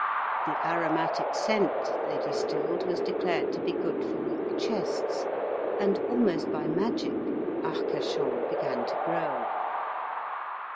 The aromatic scent they distilled was declared to be good for weak chests, and, almost by magic, Arcachon began to grow.